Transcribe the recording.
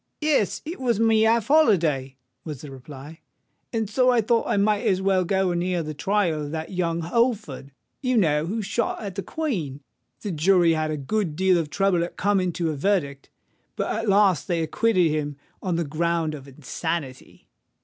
"Yes: it was my half holiday," was the reply; "and so I thought I might as well go and hear the trial of that young Holford, you know, who shot at the Queen. The jury had a good deal of trouble at coming to a verdict; but at last they acquitted him on the ground of insanity."